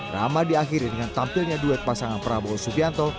rama diakhiri dengan tampilnya duet pasangan prabowo subianto